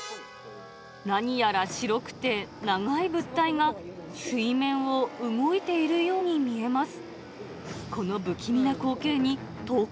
何やら白くて長い物体が、水面を動いているように見えます。